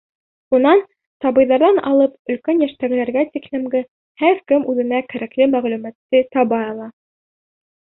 Унан сабыйҙарҙан алып өлкән йәштәгеләргә тиклемге һәр кем үҙенә кәрәкле мәғлүмәтте таба ала.